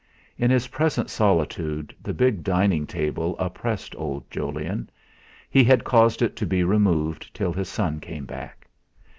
In his present solitude the big dining table oppressed old Jolyon; he had caused it to be removed till his son came back.